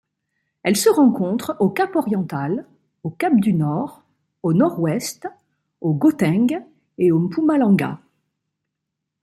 Elle se rencontre au Cap-Oriental, au Cap-du-Nord, au Nord-Ouest, au Gauteng et au Mpumalanga.